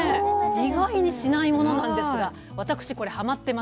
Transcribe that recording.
意外にしないものなんですが私これハマってます。